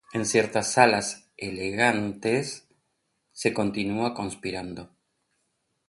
En ciertas salas "elegantes" se continúa conspirando.